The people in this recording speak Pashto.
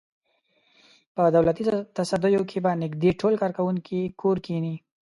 په دولتي تصدیو کې به نږدې ټول کارکوونکي کور کېني.